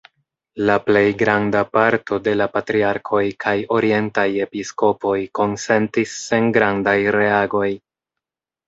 La plej granda parto de la patriarkoj kaj orientaj episkopoj konsentis sen grandaj reagoj.